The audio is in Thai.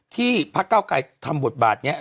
ที่ภาคเก้าไกรทำบทบาทเนี่ย